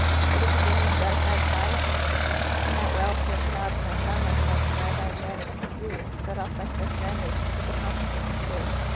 Did it begin with gratified pride? I might well feel proud when I found myself admired by a man of his beauty, set off by such manners and such accomplishments as his.